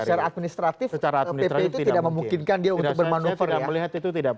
dan secara administratif pp itu tidak memungkinkan dia untuk bermanuver ya